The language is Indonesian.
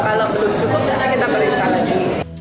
kalau belum cukup biasanya kita periksa lagi